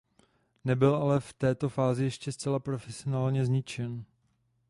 Nebyl ale v této fázi ještě zcela profesně zničen.